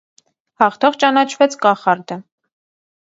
Հաղթող ճանաչվեց կախարդը։